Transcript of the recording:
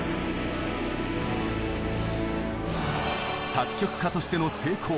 作曲家としての成功。